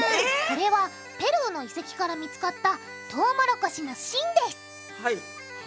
これはペルーの遺跡から見つかったトウモロコシの芯ですはい。